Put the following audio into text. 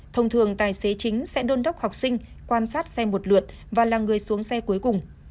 thông thường tài xế chính sẽ đôn đốc học sinh quan sát xe một lượt và là người xuống xe cuối cùng